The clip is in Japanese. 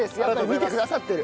見てくださってる。